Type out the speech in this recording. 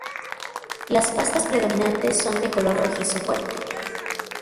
Las pastas predominantes son de color rojizo fuerte.